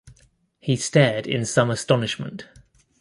He stared in some astonishment.